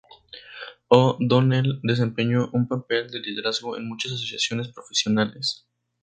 O'Donnell desempeñó un papel de liderazgo en muchas asociaciones profesionales.